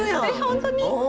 本当に？